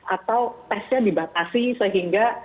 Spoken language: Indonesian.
atau testnya dibatasi sehingga